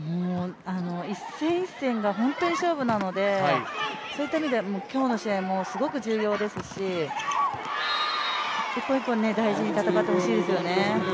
一戦、一戦が本当に勝負なのでそういった意味では今日の試合もすごく重要ですし、１本１本大事に戦ってほしいですよね。